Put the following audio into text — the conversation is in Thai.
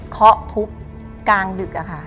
เคาะทุบกลางดึกค่ะ